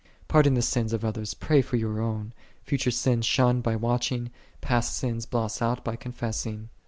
Pardon the sins of others, pray for your own: future .sins shun by watching, past sins blot out by confessing.